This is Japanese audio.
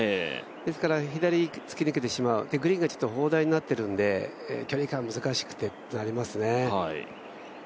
ですから左に突き抜けてしまう、グリーンがちょっと砲台になっているので距離感が難しくてというのがありますね。